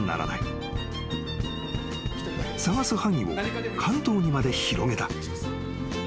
［探す範囲を関東にまで広げた］